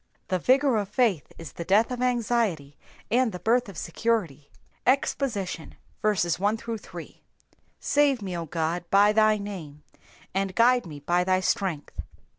The vigour of faith is the death of anxiety, and the birth of security. EXPOSITION. SAVE me, O God, by thy name, and judge me by thy strength.